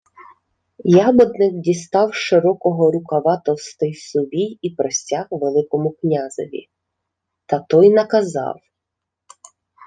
Ябедник дістав з широкого рукава товстий сувій і простяг Великому князеві. Та той наказав: